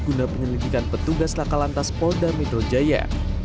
guna penyelidikan petugas laka lantas polda metro jaya